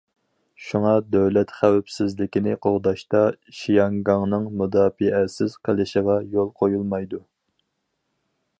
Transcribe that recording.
شۇڭا، دۆلەت خەۋپسىزلىكىنى قوغداشتا، شياڭگاڭنىڭ« مۇداپىئەسىز» قېلىشىغا يول قويۇلمايدۇ.